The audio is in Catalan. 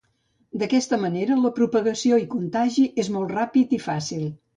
D'aquesta manera, la propagació i contagi és molt ràpid i fàcil.